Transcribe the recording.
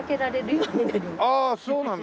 ああそうなんだ。